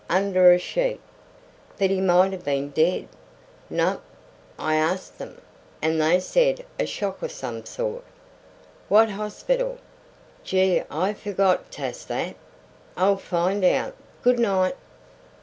Under a sheet." "But he might have been dead!" "Nope. I ast 'em, an' they said a shock of some sort." "What hospital?" "Gee, I forgot t'ast that!" "I'll find out. Good night."